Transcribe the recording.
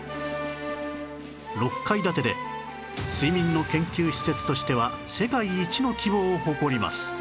６階建てで睡眠の研究施設としては世界一の規模を誇ります